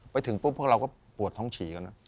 ไปถึงปุ๊บพวกเราก็ปวดท้องฉี่กัน